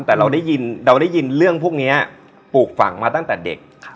แต่เราได้ยินเราได้ยินเรื่องพวกนี้ปลูกฝังมาตั้งแต่เด็ก